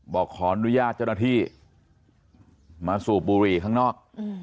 บอกขออนุญาตเจ้าหน้าที่มาสูบบุหรี่ข้างนอก